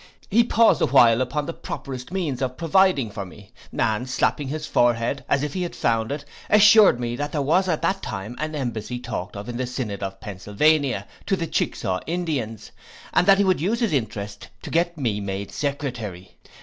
He paused a while upon the properest means of providing for me, and slapping his forehead, as if he had found it, assured me, that there was at that time an embassy talked of from the synod of Pensylvania to the Chickasaw Indians, and that he would use his interest to get me made secretary.